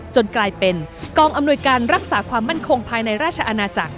กลายเป็นกองอำนวยการรักษาความมั่นคงภายในราชอาณาจักร